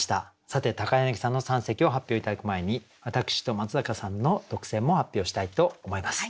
さて柳さんの三席を発表頂く前に私と松坂さんの特選も発表したいと思います。